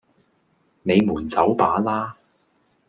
你們走吧啦!